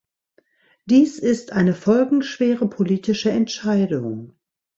Dies ist eine folgenschwere politische Entscheidung.